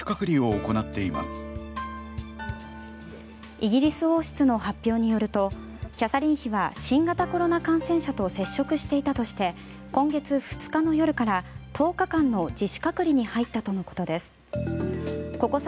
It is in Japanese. イギリス王室の発表によるとキャサリン妃は新型コロナ感染者と接触していたとして今月２日の夜から１０日間の自主隔離に入ったとのことです。